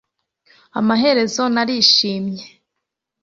amaherezo narishimye